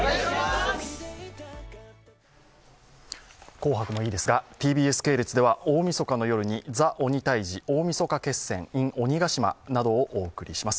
紅白もいいですが、ＴＢＳ系列では大みそかの夜に「ＴＨＥ鬼タイジ大晦日ｉｎ鬼ケ島」などをお送りします。